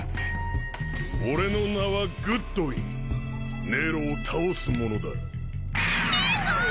俺の名はグッドウィンネロを倒す者だ。ネコ！